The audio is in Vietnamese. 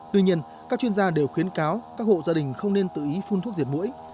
tuy nhiên các chuyên gia đều khuyến cáo các hộ gia đình không nên tự ý phun thuốc diệt mũi